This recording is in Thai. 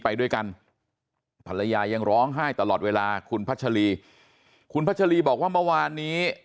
ไปด้วยกันภรรยายังร้องไห้ตลอดเวลาคุณพัชรีคุณพัชรีบอกว่าเมื่อวานนี้